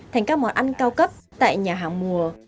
thành các món ăn cao cấp tại nhà hàng mùa